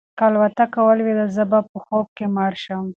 که الوتکه ولویده زه به په خوب کې مړ شم.